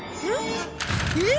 えっ？